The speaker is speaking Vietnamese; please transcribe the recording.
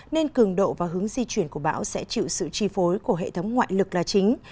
nên cường độ và hướng di chuyển của bão sẽ chịu sự tri phối của hệ thống ngoại lực là chính